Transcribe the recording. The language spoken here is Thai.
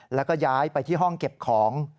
แล้วก็ย้ายไปที่ห้องเก็บของ